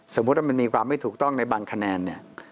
สมมุติว่ามันมีความไม่ถูกต้องในบางคะแนนเนี่ย